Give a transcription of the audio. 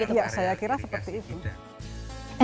iya saya kira seperti itu